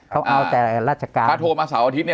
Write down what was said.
เขาเอาแต่ราชการถ้าโทรมาเสาร์อาทิตย์